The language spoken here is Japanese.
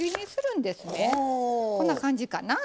こんな感じかな。